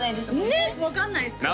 ねっ分かんないですからね